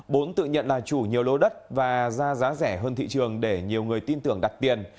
bốn tự nhận là chủ nhiều lô đất và ra giá rẻ hơn thị trường để nhiều người tin tưởng đặt tiền